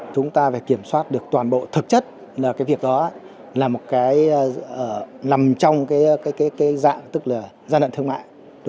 chúng ta phải kiểm soát được toàn bộ thực chất là cái việc đó là một cái nằm trong cái dạng tức là gian lận thương mại